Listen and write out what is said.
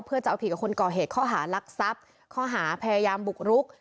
เพื่อจะเอาผิดกับคนก่อเหตุข้อหารักทรัพย์ข้อหาพยายามบุกรุก